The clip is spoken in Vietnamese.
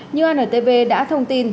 như antv đã thông tin